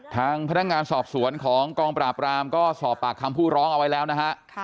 ทางพนักงานสอบสวนของกองปราบรามก็สอบปากคำผู้ร้องเอาไว้แล้วนะฮะ